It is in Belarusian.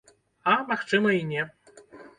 А, магчыма, і не.